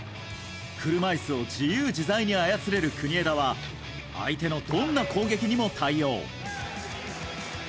車いすを自由自在に操れる国枝は相手のどんな攻撃にも対応。